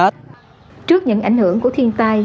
trước những ảnh hưởng của thiên tai